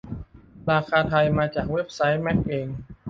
ราคาไทย มาจากเว็บไซค์แมคเอง